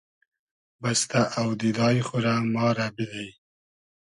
بئستۂ اۆدیدای خو رۂ ما رۂ بیدی